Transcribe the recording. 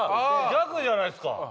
ギャグじゃないですか！